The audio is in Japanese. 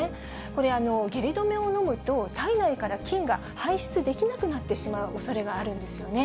これ、下痢止めを飲むと、体内から菌が排出できなくなってしまうおそれがあるんですね。